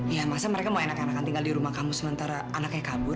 ya masa mereka mau enak enakan tinggal di rumah kamu sementara anaknya kabur